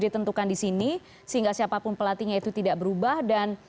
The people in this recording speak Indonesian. ditentukan di sini sehingga siapapun pelatihnya itu tidak berubah dan